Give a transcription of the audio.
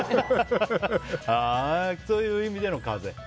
そういう意味での風邪。